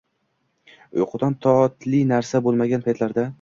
uyqudan totli narsa bo'lmagan paytlarda